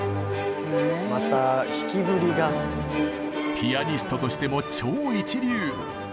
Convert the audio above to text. ピアニストとしても超一流。